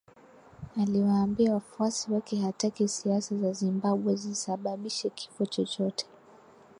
Aliwaambia wafuasi wake hataki siasa za Zimbabwe zisababishe kifo chochote